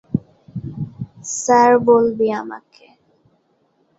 Sir বলবি আমাকে।